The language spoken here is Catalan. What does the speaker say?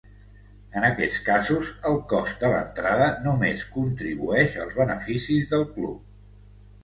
En aquests casos, el cost de l"entrada només contribueix als beneficis del club.